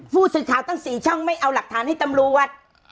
ผู้สื่อข่าวตั้ง๔ช่องไม่เอาหลักฐานให้ตำรวจ